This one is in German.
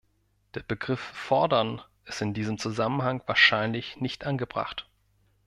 Der Begriff "fordern" ist in diesem Zusammenhang wahrscheinlich nicht angebracht.